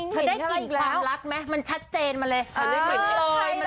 เค้าได้กลิ่นความรักมั้ยมันชัดเจนมาเลย